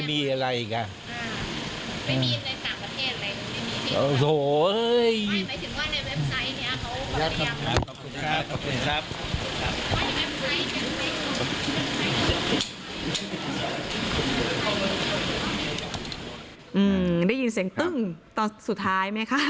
ได้ยินเสียงตึ้งตอนสุดท้ายไหมคะ